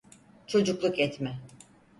Çocukluk etme.